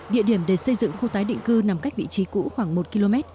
địa điểm để xây dựng khu tái định cư nằm cách vị trí cũ khoảng một km